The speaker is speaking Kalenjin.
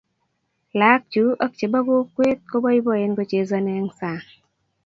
laak chuu ak chebo kokwee ko boiboen kuchezoni en sang